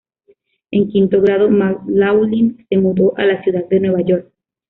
En quinto grado, McLaughlin se mudó a la Ciudad de Nueva York.